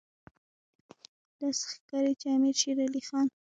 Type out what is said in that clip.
داسې ښکاري چې امیر شېر علي خان.